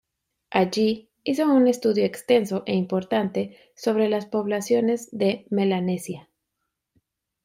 Allí, hizo un estudio extenso e importante sobre las poblaciones de Melanesia.